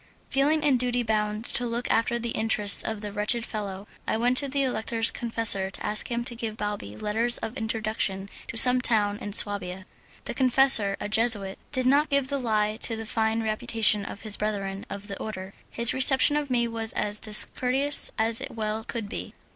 Feeling in duty bound to look after the interests of the wretched fellow, I went to the Elector's confessor to ask him to give Balbi letters of introduction to some town in Swabia. The confessor, a Jesuit, did not give the lie to the fine reputation of his brethren of the order; his reception of me was as discourteous as it well could be.